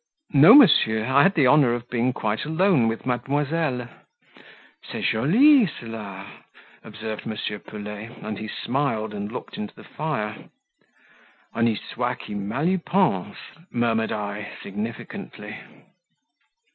"No, monsieur; I had the honour of being quite alone with mademoiselle." "C'est joli cela," observed M. Pelet, and he smiled and looked into the fire. "Honi soit qui mal y pense," murmured I, significantly.